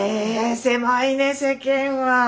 狭いね世間は。